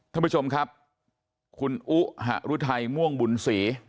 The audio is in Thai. ท่านผู้ชมครับคุณอุหะรุทัยม่วงบุญศรี